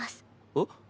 えっ？